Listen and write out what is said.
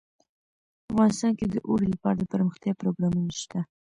افغانستان کې د اوړي لپاره دپرمختیا پروګرامونه شته.